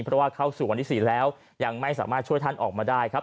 เพราะว่าเข้าสู่วันที่๔แล้วยังไม่สามารถช่วยท่านออกมาได้ครับ